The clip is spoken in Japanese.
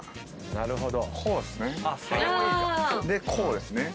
なるほど。